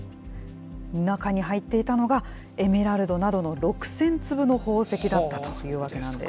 中に入っていたのが、エメラルドなどの６０００粒の宝石だったというわけなんです。